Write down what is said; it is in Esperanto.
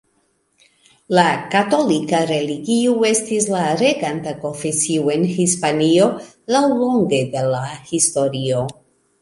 La katolika religio estis la reganta konfesio en Hispanio laŭlonge de la historio.